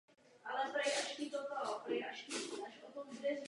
Investiční náklady přijdou přibližně na dvě miliardy korun.